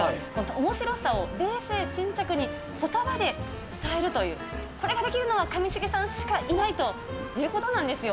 おもしろさを、冷静沈着にことばで伝えるという、これができるのは上重さんしかいないということなんですよ。